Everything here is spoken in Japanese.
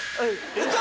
やった！